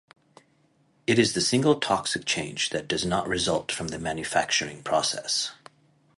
It is the single toxic change that does not result from the "manufacturing" process.